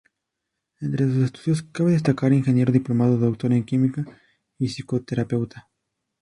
Entre sus estudios cabe destacar ingeniero diplomado, Dr. en química y psicoterapeuta.